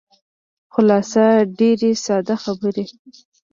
خلاصه ډېرې ساده خبرې.